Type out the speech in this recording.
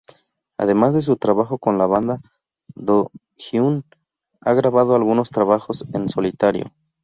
Además de su trabajo con la banda, Do-Hyun ha grabado algunos trabajos en solitario.